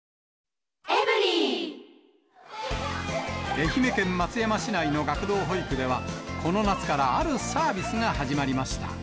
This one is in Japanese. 愛媛県松山市内の学童保育では、この夏からあるサービスが始まりました。